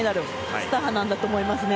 スターなんだと思います。